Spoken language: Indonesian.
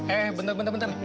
eh bentar bentar bentar